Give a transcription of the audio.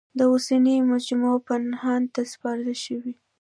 دا اوسنۍ مجموعه پنهان ته سپارل شوې.